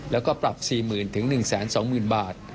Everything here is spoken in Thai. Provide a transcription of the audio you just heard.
และก็ปรับ๔๐๐๐๐ถึง๑๒๐๐๐๐บาท